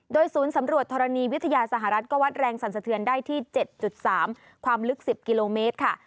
โดยศูนย์สำรวจธรณีวิทยาสหรัฐก็วัดแรงสั่นสะเทือนได้ที่๗๓ความลึก๑๐กิโลเมตรค่ะ